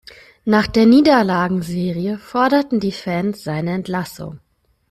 Nach der Niederlagenserie forderten die Fans seine Entlassung.